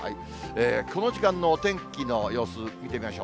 この時間のお天気の様子、見てみましょう。